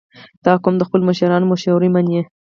• دا قوم د خپلو مشرانو مشورې منې.